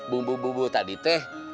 bumbu bumbu tadi teh